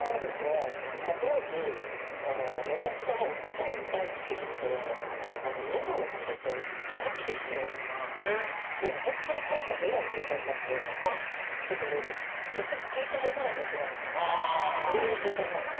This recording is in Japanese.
当時めちゃくちゃ歌を歌いすぎてのどをちょっと、酷使して本当に声が出ない状態になってちょっと直接注射を打たなきゃいけないみたいなそういう状態になって。